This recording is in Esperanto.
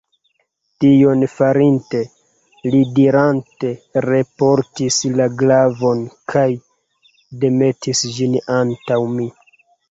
Tion farinte, li ridante reportis la glavon, kaj demetis ĝin antaŭ mi.